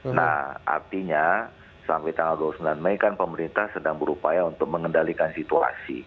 nah artinya sampai tanggal dua puluh sembilan mei kan pemerintah sedang berupaya untuk mengendalikan situasi